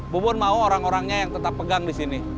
bubun mau orang orangnya yang tetap pegang disini